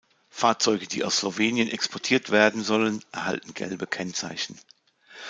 Fahrzeuge, die aus Slowenien exportiert werden sollen, erhalten gelbe Kennzeichen.